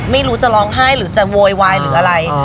ไม่รู้จะร้องไห้หรือจะโวยวายหรืออะไร